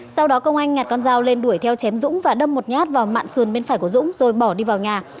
sau đó công anh nhặt con dao lên đuổi theo chém dũng và đâm một nhát vào mạng sườn bên phải của dũng rồi bỏ đi vào nhà